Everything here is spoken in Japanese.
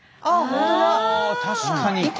あぁ確かに。